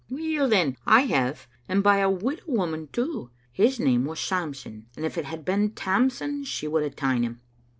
"Weel, then, I have; and by a widow woman too. His name was Samson, and if it had been Tamson she would hae ta'en him.